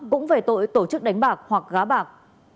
cũng về tội tổ chức đánh bạc hoặc gá bạc